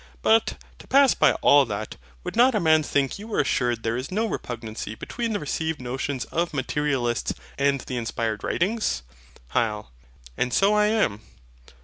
But, to pass by all that, would not a man think you were assured there is no repugnancy between the received notions of Materialists and the inspired writings? HYL. And so I am.